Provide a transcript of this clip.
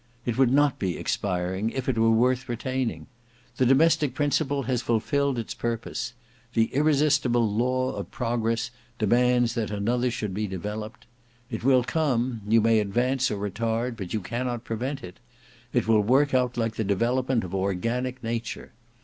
It would not be expiring, if it were worth retaining. The domestic principle has fulfilled its purpose. The irresistible law of progress demands that another should be developed. It will come; you may advance or retard, but you cannot prevent it. It will work out like the development of organic nature.